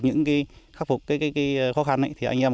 những khó khăn thì anh em